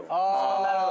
なるほど。